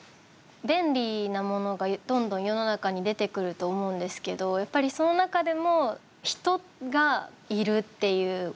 便利なものがどんどん世の中に出てくると思うんですけどやっぱりその中でも人がいるっていうこと。